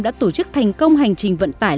đã tổ chức thành công hành trình vận tải